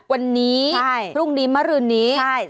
วันนี้พรุ่งนี้มรือนี้